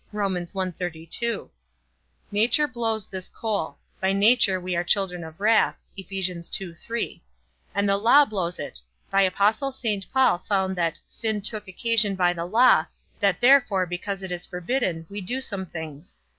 Nature blows this coal; by nature we are the children of wrath; and the law blows it; thy apostle Saint Paul found that sin took occasion by the law, that therefore, because it is forbidden, we do some things.